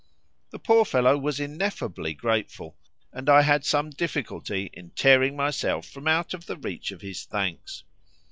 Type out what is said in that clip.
The poor fellow was ineffably grateful, and I had some difficulty in tearing myself from out of the reach of his thanks.